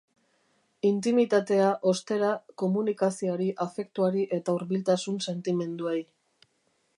Intimitatea, ostera, komunikazioari, afektuari eta hurbiltasun-sentimenduei.